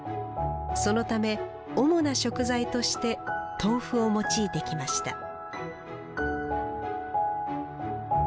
そのため主な食材として豆腐を用いてきました